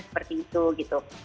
seperti itu gitu